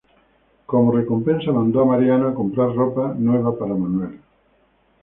Como recompensa mandó a Mariano a comprar ropa nueva para Manuel.